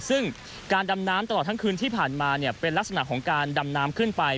ซึ่งการดำน้ำตลอดทั้งคืนที่ผ่านมาเป็นลักษณะของการดำน้ำขึ้นไป